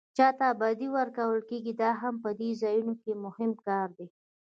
چاته بډې ورکول کېږي دا هم په دې ځایونو کې مهم کار دی.